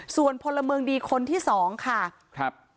ส่วนพลเมืองดีคนที่สองค่ะครับ